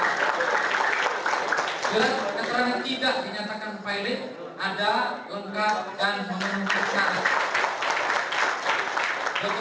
surat keterangan mengaset websites dan sit championship dan memanfaatkan tanda pembajakan crossbuy